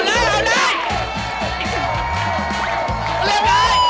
เร็วเข้า